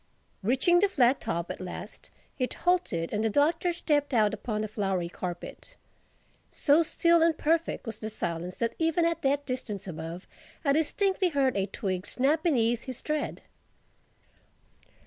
Reaching the flat top at last, it halted and the Doctor stepped out upon the flowery carpet. So still and perfect was the silence that even at that distance above I distinctly heard a twig snap beneath his tread.